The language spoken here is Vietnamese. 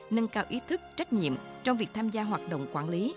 nâng cao ý thức trách nhiệm trong việc tham gia hoạt động quản lý